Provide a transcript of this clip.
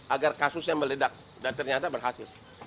agar kasusnya meledak dan ternyata berhasil